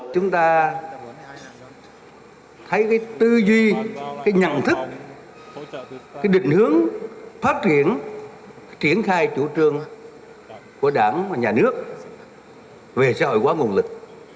chúng ta thấy cái tư duy cái nhận thức cái định hướng phát triển triển khai chủ trương của đảng và nhà nước về xã hội hóa nguồn lực